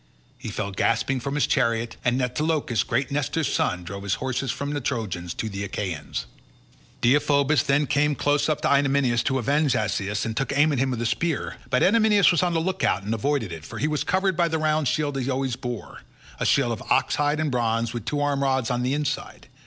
He fell gasping from his chariot and Antilochus, great Nestor's son, drove his horses from the Trojans to the Achaeans. Deiphobus then came close up to Idomeneus to avenge Asius, and took aim at him with a spear, but Idomeneus was on the look out and avoided it, for he was covered by the round shield he always bore—a shield of ox hide and bronze with two arm rods on the inside.